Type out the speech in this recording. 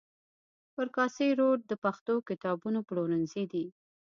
پر کاسي روډ د پښتو کتابونو پلورنځي دي.